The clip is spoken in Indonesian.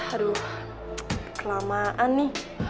aduh kelamaan nih